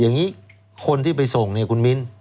อย่างนี้คนที่ไปส่งเนี่ยคุณมิ้น